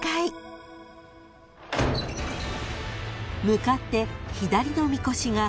［向かって左のみこしが］